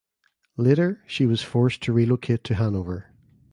Later she was forced to relocate to Hanover.